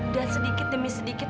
dan sedikit demi sedikit